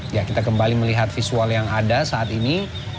ya kita kembali melihat visual yang ada saat ini